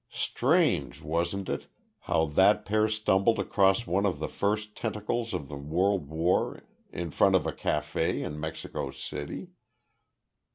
"Strange, wasn't it, how that pair stumbled across one of the first tentacles of the World War in front of a café in Mexico City?